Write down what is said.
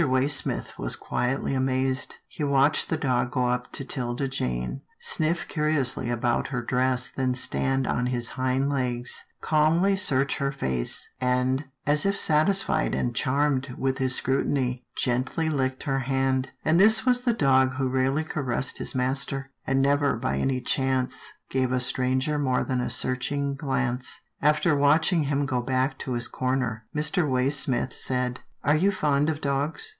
Waysmith was quietly amazed. He watched the dog go up to 'Tilda Jane, sniff curiously about her dress, then stand on his hind legs, calmly search her face, and, as if satisfied and charmed with his scrutiny, gently lick her hand — and this was the dog who rarely caressed his master, and never by any chance gave a stranger more than a searching glance. After watching him go back to his corner, Mr. Waysmith said, " Are you fond of dogs?